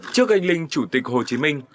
trước gánh linh chủ tịch hồ chí minh